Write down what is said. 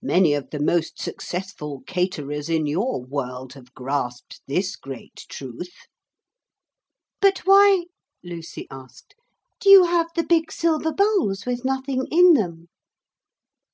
Many of the most successful caterers in your world have grasped this great truth.' 'But why,' Lucy asked, 'do you have the big silver bowls with nothing in them?'